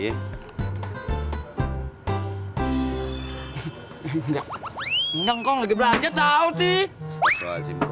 enggak kong lagi belajar tau sih